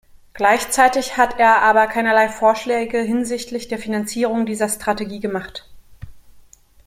Gleichzeitig hat er aber keinerlei Vorschläge hinsichtlich der Finanzierung dieser Strategie gemacht.